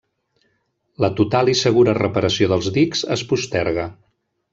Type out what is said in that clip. La total i segura reparació dels dics es posterga.